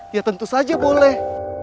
ya tentu saja boleh